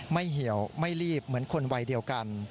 เหี่ยวไม่รีบเหมือนคนวัยเดียวกัน